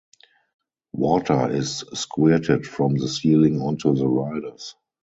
Water is squirted from the ceiling onto the riders.